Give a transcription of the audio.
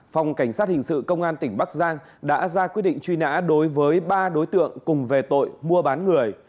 phòng cảnh sát hình sự công an tỉnh bắc giang đã ra quyết định truy nã đối với ba đối tượng cùng về tội mua bán người